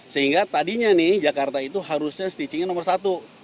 sehingga tadinya nih jakarta itu harusnya stitchingnya nomor satu